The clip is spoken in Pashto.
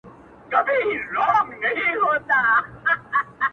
خداى خبر څومره به يې وساتې په مـيـــــنه يــــــــــاره~